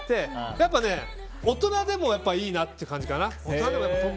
やっぱね大人でもいいなっていう感じかな。